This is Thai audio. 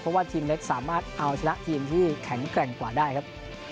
เพราะว่าทีมเล็กสามารถเอาชนะทีมที่แข็งแกร่งกว่าได้ครับ